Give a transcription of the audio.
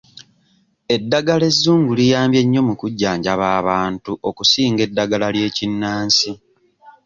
Eddagala ezzungu liyambye nnyo mu kujjanjaba abantu okusinga eddagala ery'ekinnansi.